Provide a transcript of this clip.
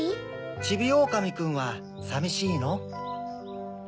ちびおおかみくんはさみしいの？